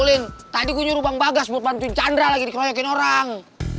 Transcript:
kalo kan gua ngobrolin tadi gua nyuruh bang bagas buat bantuin chandra lagi dikroyakin orang